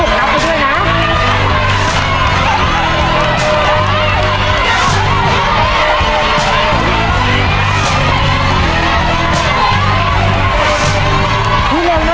เขาระบุตรด้วยนะ